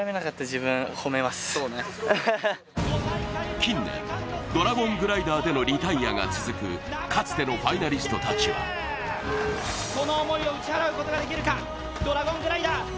近年、ドラゴングライダーでのリタイアが続くかつてのファイナリストたちはこの思いを打ち払うことができるか、ドラゴングライダー。